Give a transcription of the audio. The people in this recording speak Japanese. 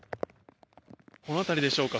この辺りでしょうか。